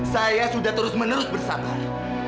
saya sudah terus menerus bersama